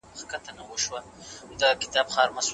ملا بانګ د یو نوي سهار د پیل لپاره خپل لاسونه لپه کړل.